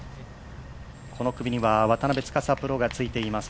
この組には渡辺司プロがついています